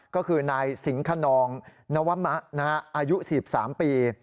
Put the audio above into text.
ก็คือนายสิงขนองนวมะอายุ๑๓ปี